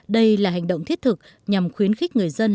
đây là hành động thiết thực nhằm khuyến khích người dân